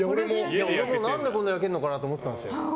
俺も何でこんなに焼けるんだろうなって思ってたんです。